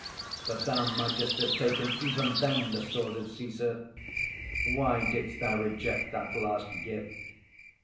But Thou mightest have taken even then the sword of Cæsar. Why didst Thou reject that last gift?